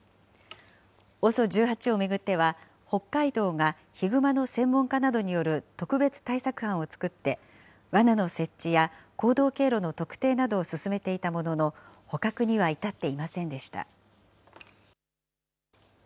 ＯＳＯ１８を巡っては北海道がヒグマの専門家などによる特別対策班を作って、わなの設置や行動経路の特定などを進めていたものの捕獲には至っていませんでした。